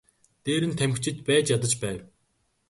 Дээр нь тамхичид байж ядаж байв.